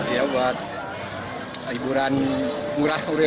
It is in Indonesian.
iya buat hiburan murah meriah